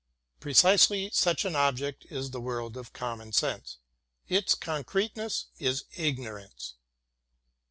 Precisely such an object is the world of common sense. Its concreteness is ignorance.